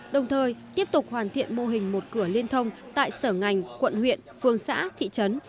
đồng thời tiếp tục hoàn thiện mô hình một cửa liên thông tại sở ngành quận huyện phường xã thị trấn